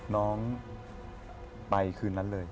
น้องไปคืนนั้นเลย